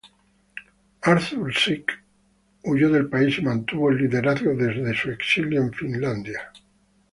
Artur Sirk huyó del país y mantuvo el liderazgo desde su exilio en Finlandia.